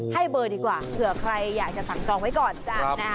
ให้เบอร์ดีกว่าเผื่อใครอยากจะสั่งจองไว้ก่อนจ้ะ